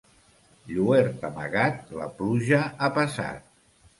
Lluert amagat, la pluja ha passat.